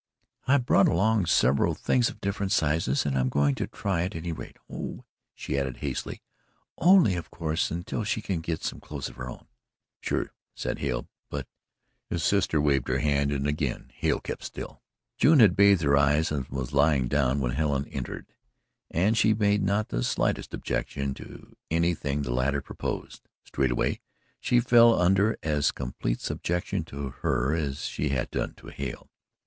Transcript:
"I brought along several things of different sizes and I am going to try at any rate. Oh," she added hastily, "only of course until she can get some clothes of her own." "Sure," said Hale, "but " His sister waved one hand and again Hale kept still. June had bathed her eyes and was lying down when Helen entered, and she made not the slightest objection to anything the latter proposed. Straightway she fell under as complete subjection to her as she had done to Hale.